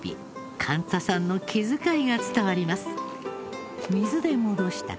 カンツァさんの気遣いが伝わります。